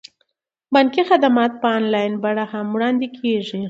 بانکي خدمات په انلاین بڼه هم وړاندې کیږي.